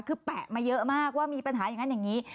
คือแปะมาเยอะมากว่ามีปัญหาอย่างนั้นอย่างนี้